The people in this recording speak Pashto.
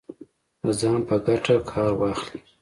د ځان په ګټه کار واخلي